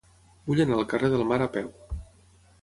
Vull anar al carrer del Mar a peu.